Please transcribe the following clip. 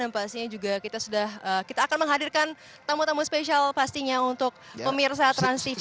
dan pastinya juga kita sudah kita akan menghadirkan tamu tamu spesial pastinya untuk pemirsa transtv dimanapun anda berada